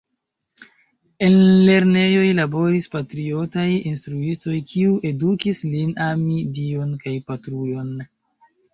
En lernejoj laboris patriotaj instruistoj, kiuj edukis lin ami Dion kaj Patrujon.